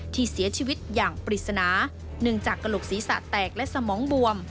ที่เสียชีวิตอย่างปริศนาเนื่องจากกระโหลกศีรษะแตกและสมองบวม